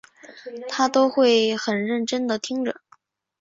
她都会很认真地听着